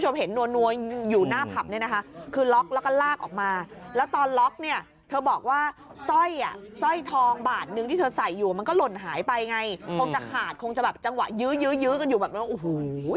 ้มหลวงสระขาดคงจะแบบจังหวะยึ๊วอยู่แบบโอ้โห